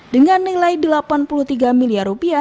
dengan nilai rp delapan puluh tiga miliar